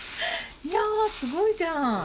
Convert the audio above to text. いやすごいじゃん。